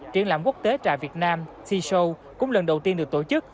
triển lãm quốc tế trà việt nam t show cũng lần đầu tiên được tổ chức